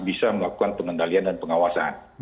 bisa melakukan pengendalian dan pengawasan